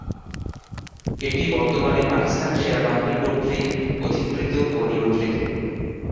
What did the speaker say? এটি বর্তমানে পাকিস্তান সেনাবাহিনী কর্তৃক অধিকৃত ও নিয়ন্ত্রিত।